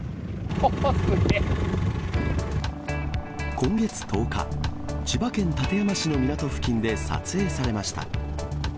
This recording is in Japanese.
今月１０日、千葉県館山市の港付近で撮影されました。